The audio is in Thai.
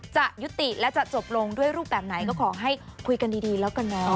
จะยุติและจะจบลงด้วยรูปแบบไหนก็ขอให้คุยกันดีแล้วกันเนาะ